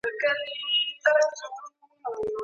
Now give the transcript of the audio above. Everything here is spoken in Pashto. چی یې مرگ نه دی منلی په جهان کي